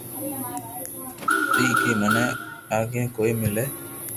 تاڪي مني آگي ڪوم ملي